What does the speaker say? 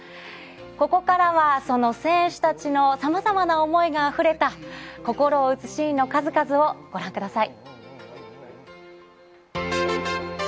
ここからは、その選手たちのさまざまな思いがあふれた、心を打つシーンの数々をご覧ください。